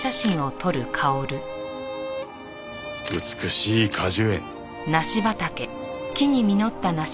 美しい果樹園。